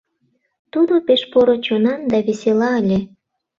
— Тудо пеш поро чонан да весела ыле...